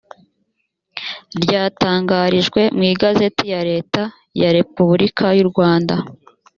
ryatangarijwe mu igazeti ya leta ya repubulika y’u rwanda